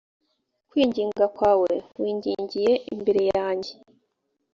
kwinginga kwawe wingingiye imbere yanjye